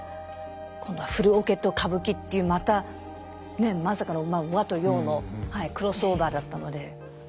今度はフルオケと歌舞伎っていうまたまさかの和と洋のクロスオーバーだったので。